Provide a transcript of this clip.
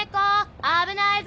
危ないぞ！